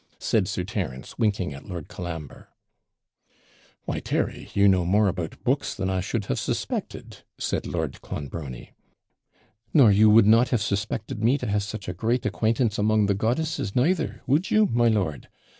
said Sir Terence, winking at Lord Colambre. 'Why, Terry, you know more about books than I should have suspected,' said Lord Clonbrony. 'Nor you would not have suspected me to have such a great acquaintance among the goddesses neither, would you, my lord?